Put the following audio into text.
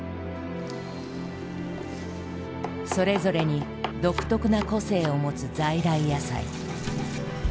それぞれに独特な個性を持つ在来野菜。